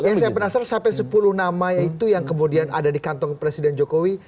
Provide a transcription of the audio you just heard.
yang saya penasaran sampai sepuluh nama itu yang kemudian ada di kantong presiden jokowi